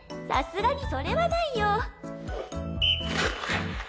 さすがにそれはないよ。